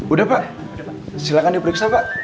udah pak silakan diperiksa pak